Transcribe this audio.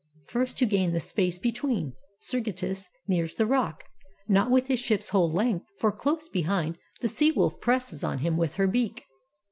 First to gain The space between, Sergestus nears the rock. Not with his ship's whole length, for close behind The Sea wolf presses on him with her beak.